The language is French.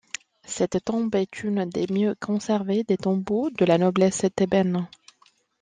Cette tombe est une des mieux conservées des tombeaux de la noblesse thébaine.